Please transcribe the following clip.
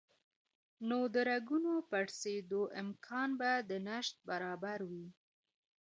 نو د رګونو پړسېدو امکان به د نشت برابر وي